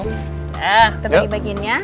kita bagi bagi ya